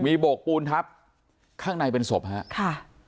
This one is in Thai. มีโบกปูนทับข้างในเป็นศพฮะค่ะ